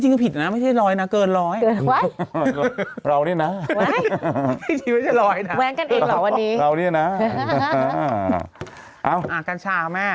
อ้กัญชาเขาไหม